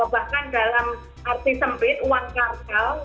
bahkan dalam arti sempit uang kartal